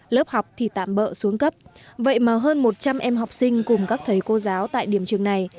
lớp học thì tạm bỡ xuống cấp vậy mà hơn một trăm linh em học sinh cùng các thầy cô giáo tại điểm trường này